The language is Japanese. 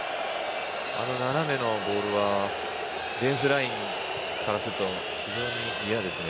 あの斜めのボールはディフェンスラインからすると非常に嫌ですね。